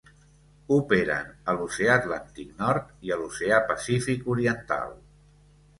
Operen a l'Oceà Atlàntic Nord i a l'Oceà pacífic oriental.